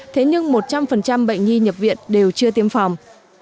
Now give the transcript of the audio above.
thế nhưng một trăm linh bệnh nhi nhập viện đều chưa tiêm phòng